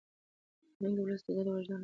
فرهنګ د ولس د ګډ وجدان اواز دی.